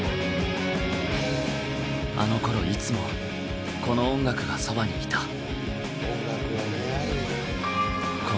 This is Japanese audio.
あのころいつもこの音楽がそばにいた。